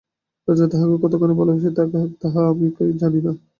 রাজা তাহাকে কতখানি ভালোবাসেন তাহা কি আমি জানি না?